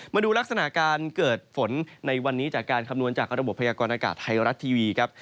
มาดูลักษณะการเกิดฝนในวันนี้จากการคำนวณจากระบบพยากรณากาศไทยรัฐทีวีครับ